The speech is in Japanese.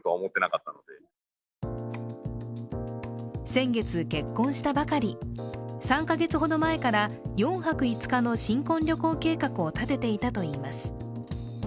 先月結婚したばかり、３カ月ほど前から４泊５日の新婚旅行計画を立てていたといいます。